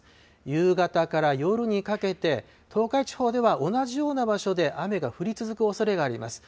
夕方から夜にかけて、東海地方では同じような場所で雨が降り続くおそれがあります。